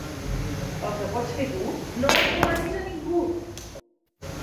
El que pots fer tu, no ho encomanis a ningú!